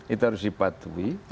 itu harus dipatuhi